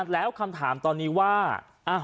แล้วคำถามตอนนี้ว่า